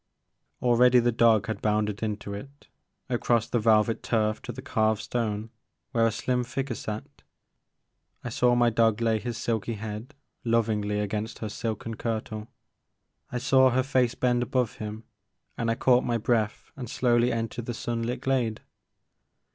Already the dog had bounded into it, across the velvet turf to the carved stone where a slim figure sat. I saw my dog lay his silky head lovingly against her silken kirtle; I saw her fece bend above him, and I caught my breath and slowly entered the sun lit glade.